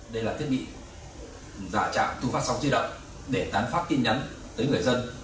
đây là thiết bị giả trạm thu phát sóng di động để tán phát tin nhắn tới người dân